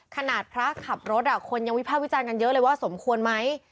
ขนาดพระขับรถคนยังวิภาควิจารณ์กันเยอะเลยว่าสมควรไหม